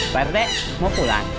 thirdet mau pulang